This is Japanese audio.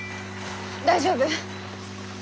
大丈夫。